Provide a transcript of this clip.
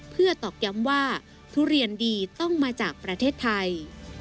เพื่อตอกย้ำว่าทุเรียนดีต้องมาจากประเทศไทย